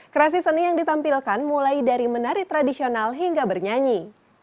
kreasi seni yang ditampilkan mulai dari menari tradisional hingga bernyanyi